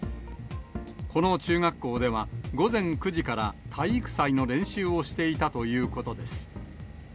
この中学校では、午前９時から体育祭の練習をしていたということです。